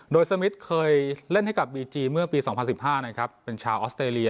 โดยสมิทเคยเล่นให้กับบีจีเมื่อปี๒๐๑๕นะครับเป็นชาวออสเตรเลีย